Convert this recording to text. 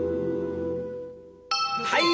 はい！